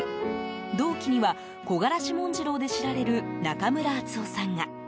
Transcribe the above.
同期には「木枯し紋次郎」で知られる中村敦夫さんが。